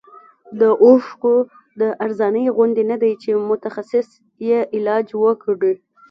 د اوښکو د ارزانۍ غوندې نه دی چې متخصص یې علاج وکړي.